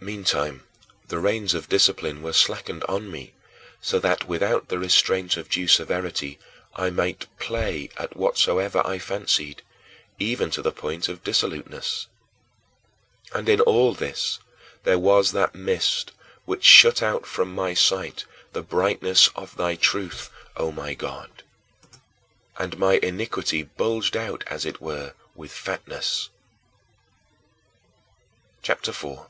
Meantime, the reins of discipline were slackened on me, so that without the restraint of due severity, I might play at whatsoever I fancied, even to the point of dissoluteness. And in all this there was that mist which shut out from my sight the brightness of thy truth, O my God; and my iniquity bulged out, as it were, with fatness! CHAPTER IV 9.